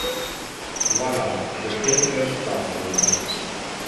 Voila: the paperless classroom.